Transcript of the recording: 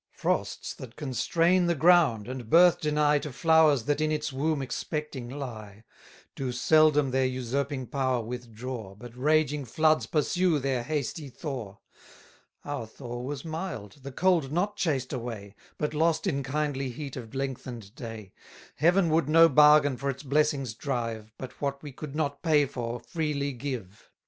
130 Frosts that constrain the ground, and birth deny To flowers that in its womb expecting lie, Do seldom their usurping power withdraw, But raging floods pursue their hasty thaw. Our thaw was mild, the cold not chased away, But lost in kindly heat of lengthen'd day. Heaven would no bargain for its blessings drive, But what we could not pay for, freely give.